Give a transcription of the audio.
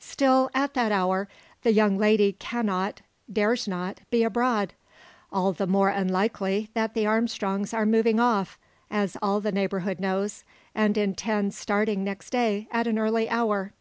Still, at that hour the young lady cannot dares not be abroad. All the more unlikely, that the Armstrongs are moving off as all the neighbourhood knows and intend starting next day, at an early hour.